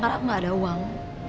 karena aku gak ada uang